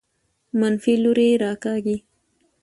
منفي لوري راکاږي.